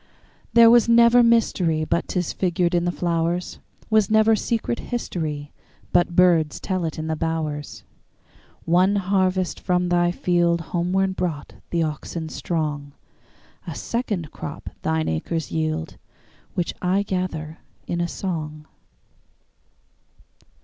There was never mysteryBut 'tis figured in the flowers; SWas never secret historyBut birds tell it in the bowers. One harvest from thy fieldHomeward brought the oxen strong;A second crop thine acres yield, Which I gather in a song.